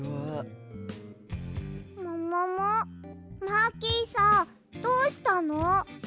マーキーさんどうしたの？